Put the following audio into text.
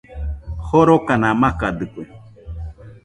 Jorokana makadɨkue